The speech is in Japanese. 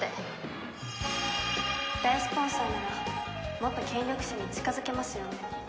大スポンサーならもっと権力者に近づけますよね？